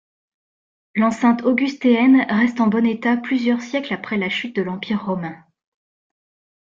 L'enceinte augustéenne reste en bon état plusieurs siècles après la chute de l'Empire romain.